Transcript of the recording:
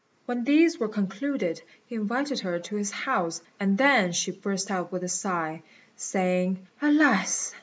When these were concluded he invited her to his house, and then she burst out with a sigh, saying, "Alas!